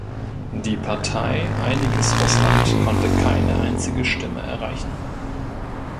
Die Partei Einiges Russland konnte keine einzige Stimme erreichen.